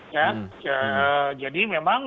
ya jadi memang